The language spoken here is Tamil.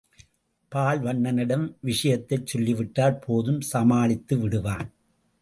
பால்வண்ணனிடம் விஷயத்தை சொல்லிவிட்டால் போதும் சமாளித்து விடுவான்.